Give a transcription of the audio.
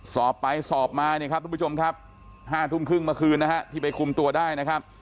สอบไปสอบมาเนี่ยครับทุกผู้ชมครับ๕ทุ่มครึ่งเมื่อคืนนะฮะที่ไปคุมตัวได้นะครับ